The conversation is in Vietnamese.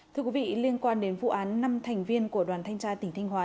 thưa quý vị liên quan đến vụ án năm thành viên của đoàn thanh tra tỉnh thanh hóa